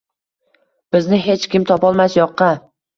Bizni hech kim topolmas yoqqa…